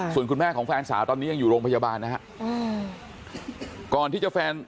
ส่วนคุณแม่ของแฟนสาวตอนนี้ยังอยู่โรงพยาบาลนะครับ